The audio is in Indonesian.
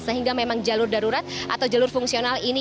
sehingga memang jalur darurat atau jalur fungsional ini